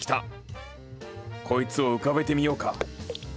こいつを浮かべてみようか。